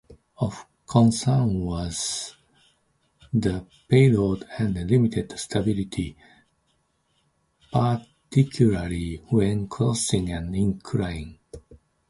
Of concern was the payload and limited stability, particularly when crossing an incline.